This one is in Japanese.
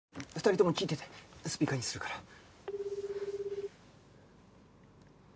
２人とも聞いててスピーカーにするから。